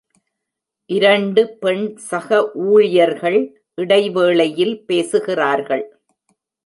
இரண்டு பெண் சக ஊழியர்கள் இடைவேளையில் பேசுகிறார்கள்.